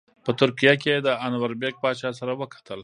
په ترکیه کې یې د انوربیګ پاشا سره وکتل.